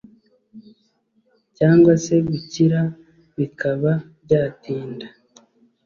cg se gukira bikaba byatinda.